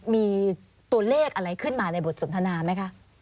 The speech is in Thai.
มีตัวเลขอะไรขึ้นมาในบทสนทนาไหมคะ